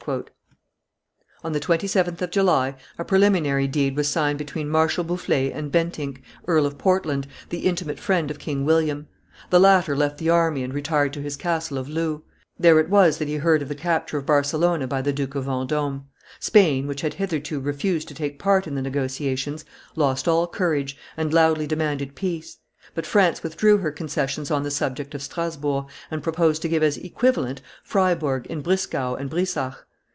On the 27th of July a preliminary deed was signed between Marshal Boufflers and Bentinck, Earl of Portland, the intimate friend of King William; the latter left the army and retired to his castle of Loo; there it was that he heard of the capture of Barcelona by the Duke of Vendime; Spain, which had hitherto refused to take part in the negotiations, lost all courage, and loudly demanded peace; but France withdrew her concessions on the subject of Strasburg, and proposed to give as equivalent Friburg in Brisgau and Brisach.